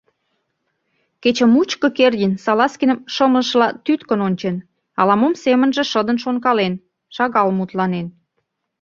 Кече мучко Кердин Салазкиным шымлышыла тӱткын ончен, ала-мом семынже шыдын шонкален, шагал мутланен.